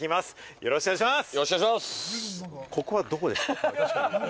よろしくお願いします。